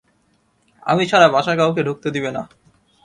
আমি ছাড়া বাসায় কাউকে ঢুকতে দিবে না।